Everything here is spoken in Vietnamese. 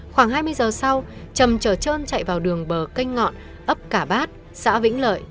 khoảng hai mươi h sau trầm chở trơn chạy vào đường bờ kênh ngọn ấp cả bát xã vĩnh lợi